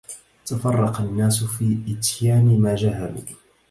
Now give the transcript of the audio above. تفرق الناس في إتيان ما جهلوا